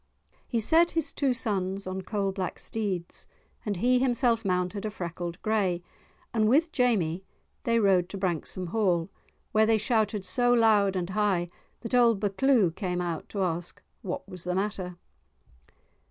He set his two sons on coal black steeds, and he himself mounted a freckled grey, and with Jamie they rode to Branksome Hall, where they shouted so loud and high that old Buccleuch came out to ask what was the matter.